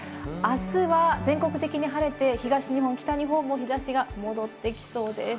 明日は全国的に晴れて東日本、北日本も日差しが戻ってきそうです。